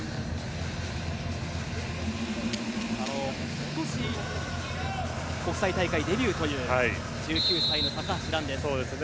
今年、国際大会デビューという１９歳の高橋藍です。